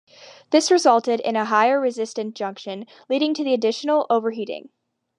This resulted in a higher resistance junction, leading to additional overheating.